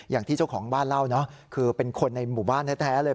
อย่างที่เจ้าของบ้านเล่าเนอะคือเป็นคนในหมู่บ้านแท้เลย